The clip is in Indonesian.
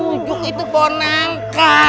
wujud itu bonangka